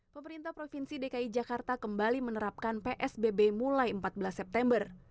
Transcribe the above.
pemerintah provinsi dki jakarta kembali menerapkan psbb mulai empat belas september